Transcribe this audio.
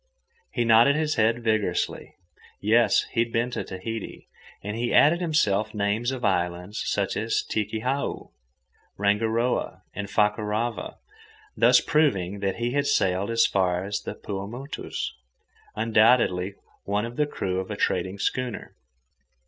He nodded his head vigorously. Yes, he had been to Tahiti, and he added himself names of islands such as Tikihau, Rangiroa, and Fakarava, thus proving that he had sailed as far as the Paumotus—undoubtedly one of the crew of a trading schooner.